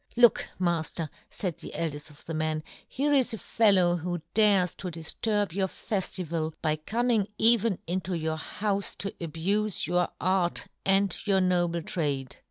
Look, mafter,"faid the eldeft of the men, " here is a fellow who dares to " difturb your feftival by coming " even into your houfe to abufe your " art, and your noble trade."